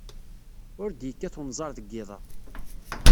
Ur d-yekkat wenẓar deg yiḍ-a.